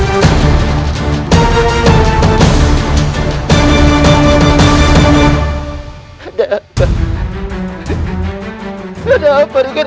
kujang kembar mendengar perintah